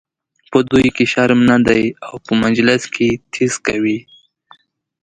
په دوی کې شرم نه دی او په مجلس کې ټیز کوي.